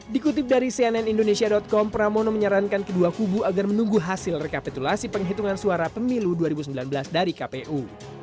dikutip dari cnn indonesia com pramono menyarankan kedua kubu agar menunggu hasil rekapitulasi penghitungan suara pemilu dua ribu sembilan belas dari kpu